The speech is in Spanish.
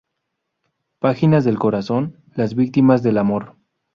Páginas del corazón", "Las víctimas del amor.